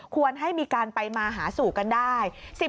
ควรให้มีการไปมาหาสู่กันได้